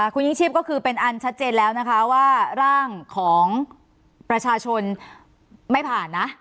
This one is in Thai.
คุณยิ่งชีพก็คือเป็นอันชัดเจนแล้วนะคะว่าร่างของประชาชนไม่ผ่านนะ